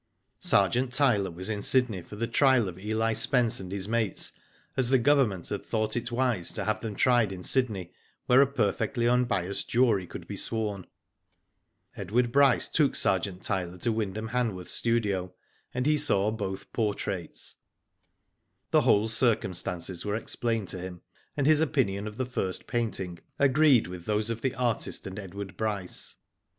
Sergeant Tyler was in Sydney for the trial of Eli Spence and his mates, as the Government had thought it wise to have ihem tried in Sydney, where a perfectly unbiassed jury could be sworn. Edward Bryce took Sergeant Tyler to Wynd ham Hanworth's studio, and he saw both por traits. The whole circumstances were explained to him, and his opinion of the first painting agreed with those of the artist and Edward Bryce.